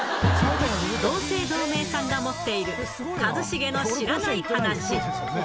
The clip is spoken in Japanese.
同姓同名さんが持っている一茂の知らない話。